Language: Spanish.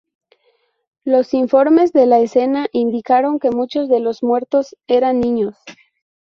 Los informes de la escena indicaron que muchos de los muertos eran niños.